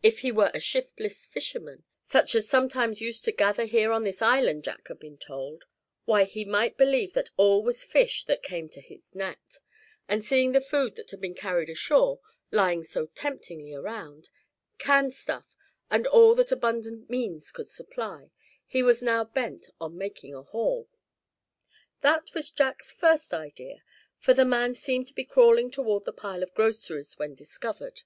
If he were a shiftless fisherman, such as sometimes used to gather here on this island, Jack had been told, why, he might believe that all was fish that came to his net; and seeing the food that had been carried ashore, lying so temptingly around, canned stuff, and all that abundant means could supply, he was now bent on making a haul. That was Jack's first idea, for the man seemed to be crawling toward the pile of groceries when discovered.